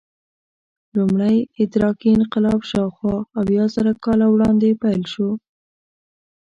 لومړی ادراکي انقلاب شاوخوا اویازره کاله وړاندې پیل شو.